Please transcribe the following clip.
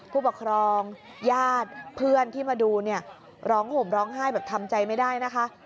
ผู้ปกครองญาติเพื่อนที่มาดูเนี่ยร้องห่มร้องไห้แบบทำใจไม่ได้นะคะ